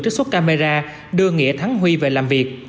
trích xuất camera đưa nghĩa thắng huy về làm việc